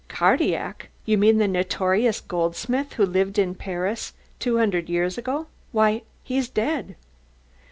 "Cardillac? You mean the notorious goldsmith who lived in Paris 200 years ago? Why, he's dead."